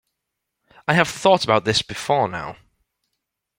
I have thought about this before now.